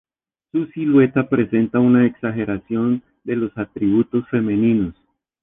Su silueta presenta una exageración de los atributos femeninos.